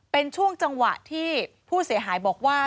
เป็นช่วงจังหวะที่ผู้เสียหายบอกว่า